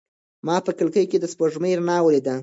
ما په کړکۍ کې د سپوږمۍ رڼا ولیده.